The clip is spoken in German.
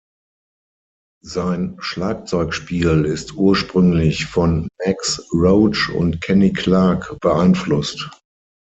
Sein Schlagzeugspiel ist ursprünglich von Max Roach und Kenny Clarke beeinflusst.